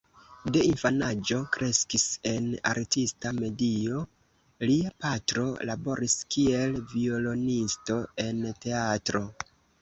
De infanaĝo kreskis en artista medio: lia patro laboris kiel violonisto en teatro.